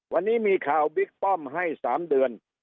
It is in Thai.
วันนี้มีข่าวบิ๊กป้อมให้๓เดือน